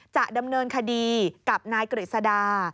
จะดำเนินคดีกับนายกฤษดา